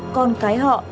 con cái họ